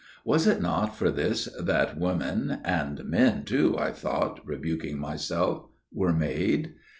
Was it not for this that women––and men too, I thought, rebuking myself––were made?